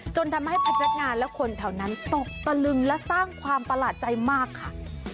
จนทำให้พนักงานและคนแถวนั้นตกตะลึงและสร้างความประหลาดใจมากค่ะ